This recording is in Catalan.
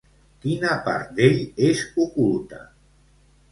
Quina part d'ell és oculta?